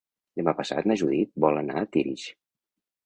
Demà passat na Judit vol anar a Tírig.